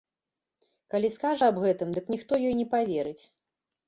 Калі скажа аб гэтым, дык ніхто ёй не паверыць.